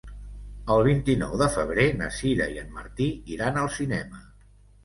El vint-i-nou de febrer na Sira i en Martí iran al cinema.